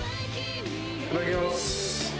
いただきます。